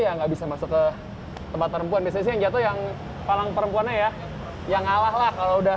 ya nggak bisa masuk ke tempat perempuan bisa yang jatuh yang palang perempuan ya yang alahlah udah